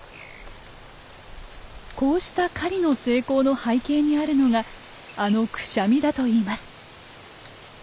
こうした狩りの成功の背景にあるのがあのクシャミだといいます。